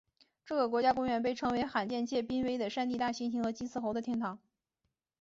这个国家公园被称为罕见且濒危的山地大猩猩和金丝猴的天堂。